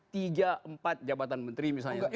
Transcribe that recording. tiga empat jabatan menteri misalnya